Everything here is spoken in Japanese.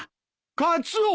カツオ！